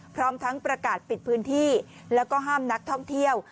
พร้อมทั้งประกาศปิดพื้นที่แล้วก็ห้ามนักท่องเที่ยว